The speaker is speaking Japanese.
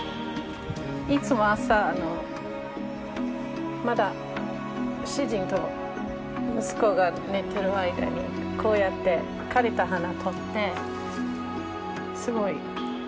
いつも朝のまだ主人と息子が寝てる間にこうやって枯れた花を取ってすごい穏やかな気持ちになる。